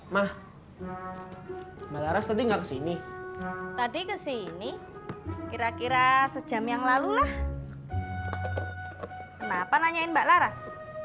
mah malah sedih nggak sini tadi ke sini kira kira sejam yang lalu lah kenapa nanyain mbak laras